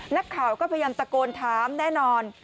นักข่าวก็พยายามตะโกนถามแน่นอน